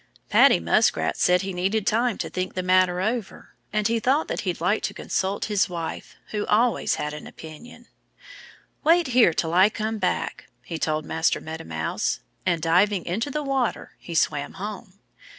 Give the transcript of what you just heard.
Paddy Muskrat said he needed time to think the matter over. And he thought that he'd like to consult his wife, who always had an opinion. "Wait here till I come back!" he told Master Meadow Mouse. And, diving into the water, he swam home.